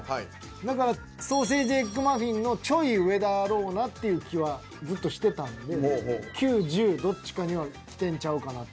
だからソーセージエッグマフィンのちょい上だろうなっていう気はずっとしてたんで９１０どっちかにはきてんちゃうかなと。